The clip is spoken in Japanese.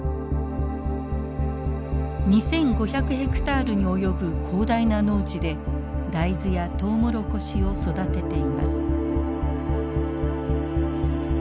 ２，５００ヘクタールに及ぶ広大な農地で大豆やトウモロコシを育てています。